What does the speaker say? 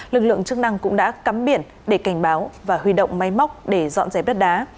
lực lượng chức năng cũng đã cắm biển để cảnh báo và huy động máy móc để dọn dẹp đất đá